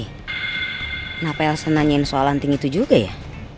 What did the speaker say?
kenapa elsa nanyain soal lanting itu juga ya